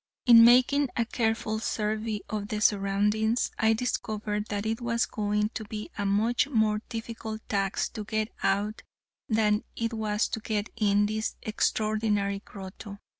In making a careful survey of the surroundings, I discovered that it was going to be a much more difficult task to get out than it was to get in this extraordinary grotto.